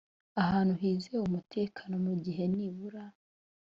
ahantu hizewe umutekano mu gihe nibura